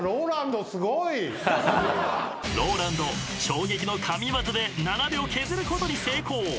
［ＲＯＬＡＮＤ衝撃の神業で７秒削ることに成功］